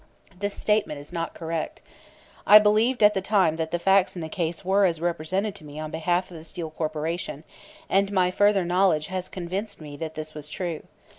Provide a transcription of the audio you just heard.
This statement is not correct. I believed at the time that the facts in the case were as represented to me on behalf of the Steel Corporation, and my further knowledge has convinced me that this was true.